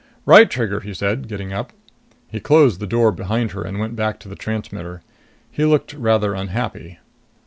"Right, Trigger," he said, getting up. He closed the door behind her and went back to the transmitter. He looked rather unhappy.